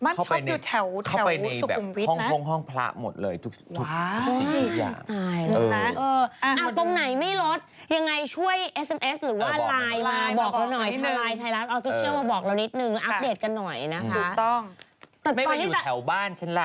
เขาอยู่หลังห้างเซนทันชิ้นเลยไม่เคยท่วมเลยอ่ะไม่เคยท่วมเลย